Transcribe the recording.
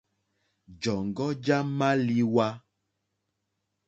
Jɔ̀ŋɡɔ́ já !málíwá.